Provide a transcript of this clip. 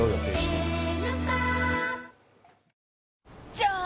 じゃーん！